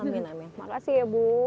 amin amin makasih ya bu